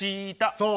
そう。